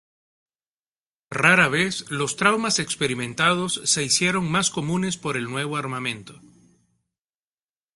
Rara vez los traumas experimentados se hicieron más comunes por el nuevo armamento.